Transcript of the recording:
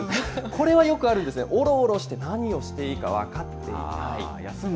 これはよくあるんですが、おろおろして何をしていいか分かっていない。